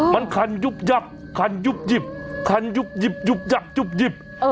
มันคันยุบยับคันยุบหยิบคันยุบหยิบยุบยักยุบหยิบ